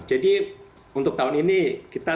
jadi untuk tahun ini kita